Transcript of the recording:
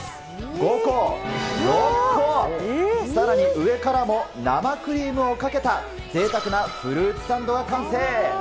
５個、６個、さらに上からも生クリームをかけたぜいたくなフルーツサンドが完成。